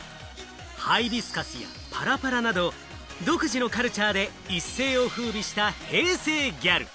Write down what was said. ハイビスカスやパラパラなど独自のカルチャーで、一世を風靡した平成ギャル。